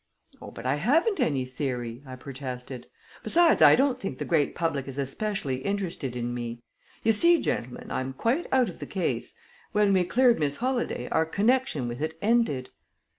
"Oh, but I haven't any theory," I protested. "Besides, I don't think the great public is especially interested in me. You see, gentlemen, I'm quite out of the case. When we cleared Miss Holladay, our connection with it ended."